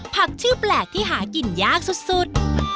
ชื่อแปลกที่หากินยากสุด